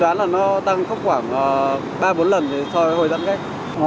đoán là nó tăng khoảng ba bốn lần so với hồi dẫn cách